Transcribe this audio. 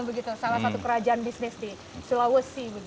begitu salah satu kerajaan bisnis di sulawesi